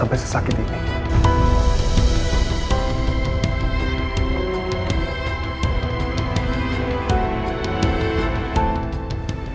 kamu sekarang ingin menjelmati lagi